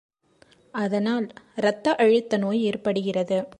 அதனால் இரத்த அழுத்த நோய் ஏற்படுகிறது.